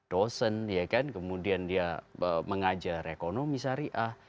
dosen kemudian dia mengajar ekonomi syariah